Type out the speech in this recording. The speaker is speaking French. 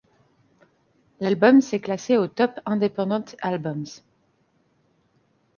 L’album s'est classé au Top Independent Albums.